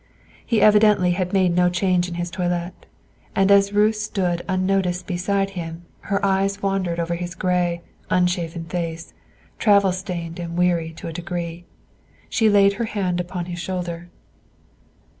He evidently had made no change in his toilet; and as Ruth stood unnoticed beside him, her eyes wandered over his gray, unshaven face, travel stained and weary to a degree. She laid her hand upon his shoulder.